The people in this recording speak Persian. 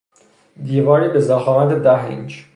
دیواری به ضخامت ده اینچ